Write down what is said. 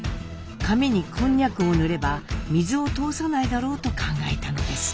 紙にこんにゃくを塗れば水を通さないだろうと考えたのです。